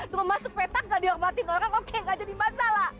terus masuk petak nggak dihormatin orang oke nggak jadi masalah